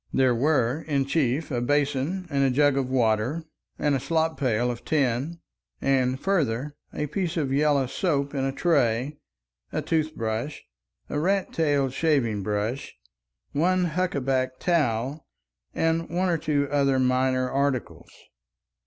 There were, in chief, a basin and a jug of water and a slop pail of tin, and, further, a piece of yellow soap in a tray, a tooth brush, a rat tailed shaving brush, one huckaback towel, and one or two other minor articles.